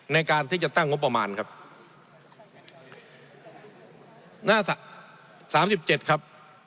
ในการที่จะตั้งงบประมาณครับ